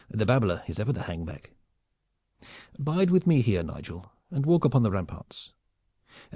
The babbler is ever the hang back. Bide with me here, Nigel, and walk upon the ramparts.